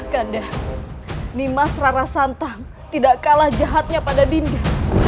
kanda nimas rara santang tidak kalah jahatnya pada dinda